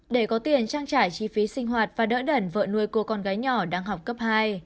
để có tiền trang trải chi phí sinh hoạt và đỡ đẩn vợ nuôi cô con gái nhỏ đang học cấp hai